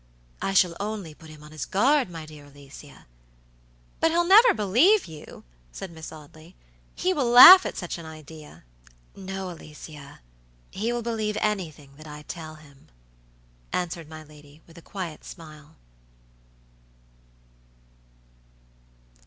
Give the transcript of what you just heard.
"I shall only put him on his guard, my dear Alicia." "But he'll never believe you," said Miss Audley; "he will laugh at such an idea." "No, Alicia; he will believe anything that I tell him," answered my lady, with a quiet smile.